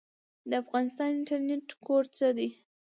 د افغانستان انټرنیټ کوډ څه دی؟